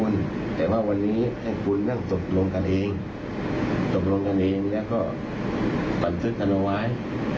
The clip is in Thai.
และการตปัญติธรรมวาย